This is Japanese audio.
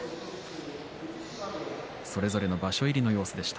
それぞれの場所入りの様子でした。